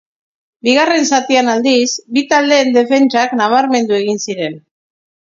Bigarren zatian, aldiz, bi taldeen defentsak nabarmendu egin ziren.